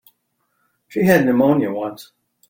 She had pneumonia once.